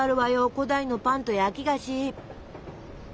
古代のパンと焼き菓子！